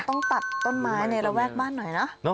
ต้องตัดต้นไม้ในระแวกบ้านหน่อยนะ